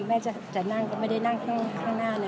แม่จะนั่งก็ไม่ได้นั่งข้างหน้าเลย